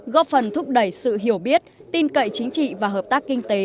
góp phần thúc đẩy sự hiểu biết tin cậy chính trị và hợp tác kinh tế